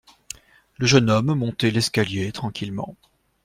Le jeune homme montait l’escalier tranquillement.